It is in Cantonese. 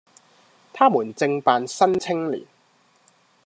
他們正辦《新青年》，